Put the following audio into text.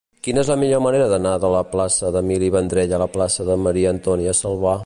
Quina és la millor manera d'anar de la plaça d'Emili Vendrell a la plaça de Maria-Antònia Salvà?